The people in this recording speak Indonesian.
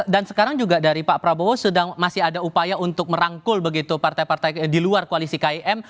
dan sekarang juga dari pak prabowo masih ada upaya untuk merangkul begitu partai partai di luar koalisi kim